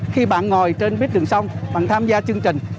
khi bạn ngồi trên buýt đường sông bạn tham gia chương trình